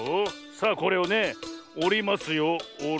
さあこれをねおりますよ。